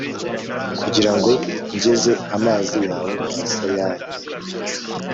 Kugirango ngeze amazi yawe mubasayaye